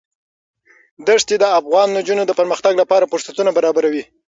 دښتې د افغان نجونو د پرمختګ لپاره فرصتونه برابروي.